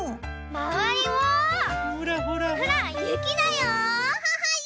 まわりもほらゆきだよ！